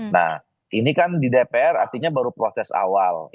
nah ini kan di dpr artinya baru proses awal